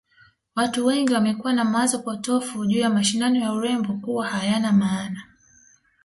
Watu wengi wamekuwa na mawazo potofu juu ya mashindano ya urembo kuwa hayana maana